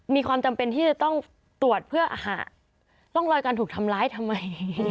มีความจำเป็นที่จะต้องตรวจเพื่อหาร่องรอยการถูกทำร้ายทำไม